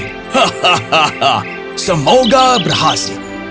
hahaha semoga berhasil